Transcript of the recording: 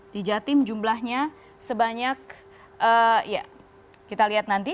di jatim jumlahnya sebanyak ya kita lihat nanti